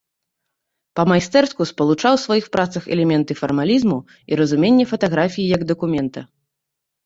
Па-майстэрску спалучаў у сваіх працах элементы фармалізму і разуменне фатаграфіі як дакумента.